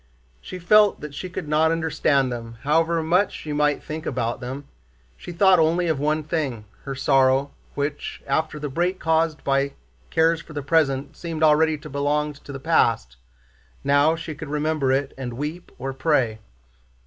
She felt that she could not understand them however much she might think about them. She thought only of one thing, her sorrow, which, after the break caused by cares for the present, seemed already to belong to the past. Now she could remember it and weep or pray.